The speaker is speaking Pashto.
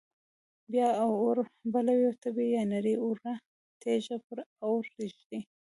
بیا اور بلوي او تبۍ یا نرۍ اواره تیږه پر اور ږدي.